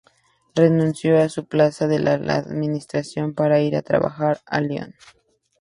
Renunció a su plaza en la administración para ir a trabajar a Lyon.